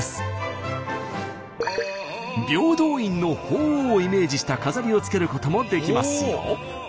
平等院の鳳凰をイメージした飾りをつけることもできますよ。